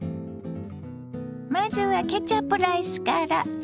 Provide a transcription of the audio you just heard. まずはケチャップライスから。